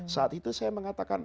saat itu saya mengatakan